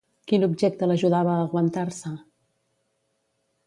Quin objecte l'ajudava a aguantar-se?